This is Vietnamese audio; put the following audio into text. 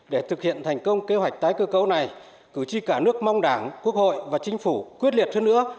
để thực hiện thành công kế hoạch tái cơ cấu này cử tri cả nước mong đảng quốc hội và chính phủ quyết liệt hơn nữa